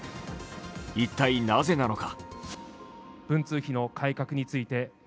一体なぜなのか。